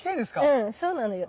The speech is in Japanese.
うんそうなのよ。